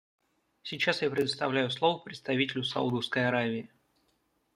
Сейчас я предоставляю слово представителю Саудовской Аравии.